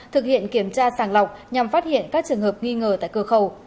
thực hiện kiểm tra sàng lọc nhằm phát hiện các trường hợp nghi ngờ tại cửa khẩu